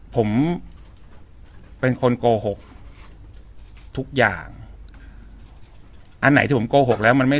ผมเป็นคนโกหกทุกอย่างอันไหนที่ผมโกหกแล้วมันไม่